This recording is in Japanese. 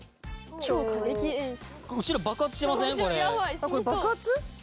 「超過激演出」